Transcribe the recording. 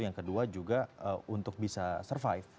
yang kedua juga untuk bisa survive